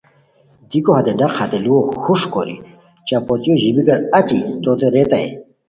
دیکو ہتے ڈاق ہتے لوؤ ہوݰ کوری چپوتیو ژیبیکار اچی توتے ریتائے